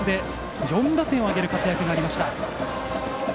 ４打点を挙げる活躍がありました。